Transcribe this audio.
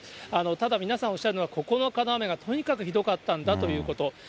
ただ皆さんおっしゃるのは、９日の雨がとにかくひどかったんだということ。